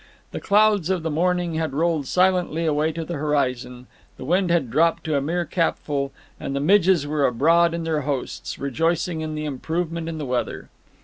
The clouds of the morning had rolled silently away to the horizon, the wind had dropped to a mere capful; and the midges were abroad in their hosts, rejoicing in the improvement in the weather.